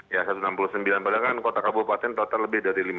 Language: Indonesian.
ya satu ratus enam puluh sembilan padahal kan kota kabupaten total lebih dari lima ratus